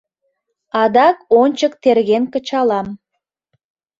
Адак ончык терген кычалам.